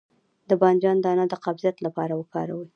د بانجان دانه د قبضیت لپاره وکاروئ